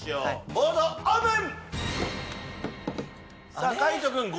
ボードオープン！